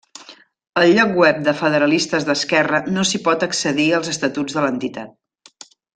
Al Lloc Web de Federalistes d'esquerra no s'hi pot accedir als estatuts de l'entitat.